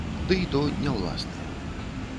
Дый то не ўласныя.